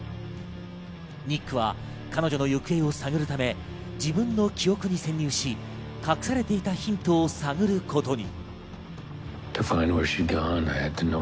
ニックは彼女の行方を探るため、自分の記憶に潜入し、隠されていたヒントを探ることに。